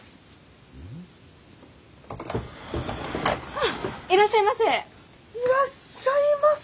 あっいらっしゃいませ！